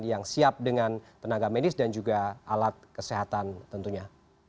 yang siap dengan tenaga medis dan juga alat kesehatan tentunya